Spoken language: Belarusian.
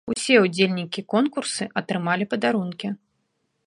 Усе ўдзельнікі конкурсы атрымалі падарункі.